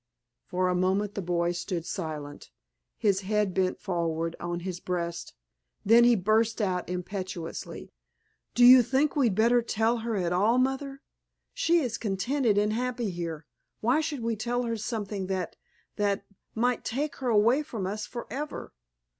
For a moment the boy stood silent, his head bent forward on his breast. Then he burst out impetuously: "Do you think we'd better tell her at all, Mother? She is contented and happy here, why should we tell her something that—that—might take her away from us forever?